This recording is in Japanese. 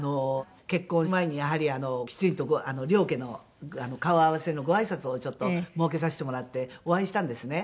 結婚前にやはりきちんと両家の顔合わせのごあいさつをちょっと設けさせてもらってお会いしたんですね。